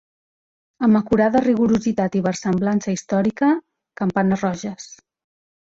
Amb acurada rigorositat i versemblança històrica, Campanes roges.